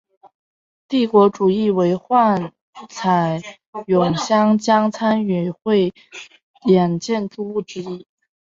帝国中心为幻彩咏香江参与汇演建筑物之一。